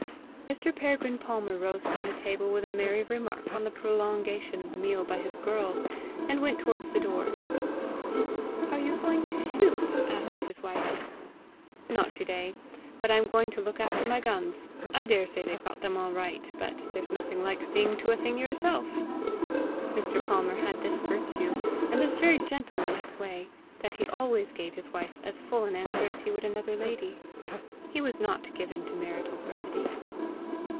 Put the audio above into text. Mr. Peregrine Palmer rose from the table with a merry remark on the prolongation of the meal by his girls, and went towards the door. "Are you going to shoot?" asked his wife. "Not to day. But I am going to look after my guns. I daresay they've got them all right, but there's nothing like seeing to a thing yourself!" Mr. Palmer had this virtue, and this very gentlemanlike way that he always gave his wife as full an answer as he would another lady. He was not given to marital brevity.